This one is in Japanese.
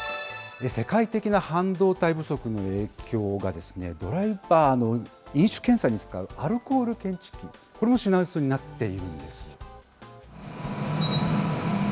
世界的な半導体不足の影響が、ドライバーの飲酒検査に使うアルコール検知器、これも品薄になっているんです。